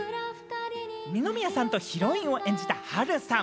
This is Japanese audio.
二宮さんとヒロインを演じた波瑠さん。